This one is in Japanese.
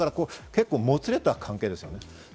結構もつれた関係です。